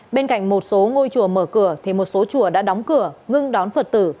bên cạnh một số ngôi chùa mở cửa thì một số chùa đã đóng cửa ngưng đón phật tử